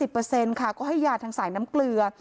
๓๐เปอร์เซ็นต์ค่ะก็ให้ยาทางสายน้ำเกลือ